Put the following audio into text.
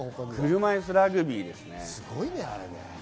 車いすラグビーですね。